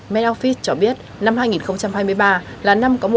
met office cho biết năm hai nghìn hai mươi ba là năm có mùa hè nọc thứ tám tại anh